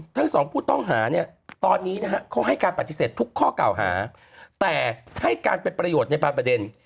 ทั้งสองผู้ต้องหาเนี่ยตอนนี้นะฮะเขาให้การปฏิเสธทุกข้อเก่าหาแต่ให้การเป็นประโยชน์ในบางประเด็น